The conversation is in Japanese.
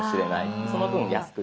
その分安く提供。